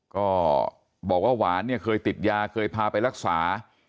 ก็บอกว่าหวานเนี่ยเคยติดยาเคยพาไปรักษา